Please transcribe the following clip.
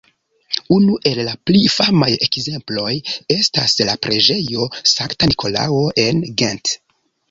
Unu el la pli famaj ekzemploj estas la preĝejo Sankta Nikolao en Gent.